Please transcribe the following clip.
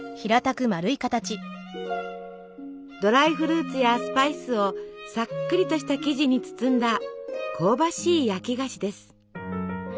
ドライフルーツやスパイスをさっくりとした生地に包んだ香ばしい焼き菓子です。